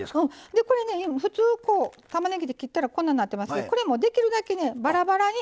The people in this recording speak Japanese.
これね普通たまねぎって切ったらこんなんなってますけどこれもできるだけねバラバラに。